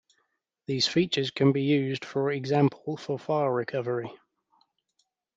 These features can be used for example for file recovery.